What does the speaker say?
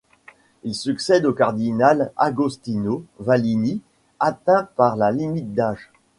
Il succède au cardinal Agostino Vallini, atteint par la limite d'âge.